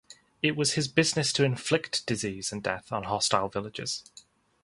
It was his business to inflict disease and death on hostile villages.